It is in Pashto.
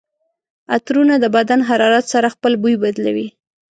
عطرونه د بدن حرارت سره خپل بوی بدلوي.